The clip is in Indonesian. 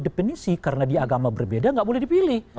definisi karena di agama berbeda nggak boleh dipilih